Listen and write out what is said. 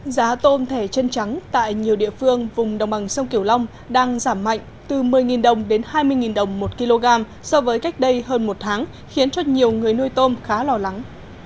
giá tôm thẻ chân trắng tại nhiều địa phương vùng đồng bằng sông kiểu long đang giảm mạnh từ một mươi đồng đến hai mươi đồng một kg so với cách đây hơn một tháng khiến cho nhiều người nuôi tôm khá lo lắng